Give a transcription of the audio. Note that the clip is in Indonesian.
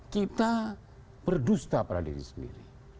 kita berdusta pada diri sendiri